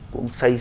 cũng xây dựng